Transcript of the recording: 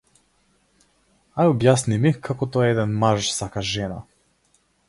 Ај објасни ми како тоа еден маж сака жена.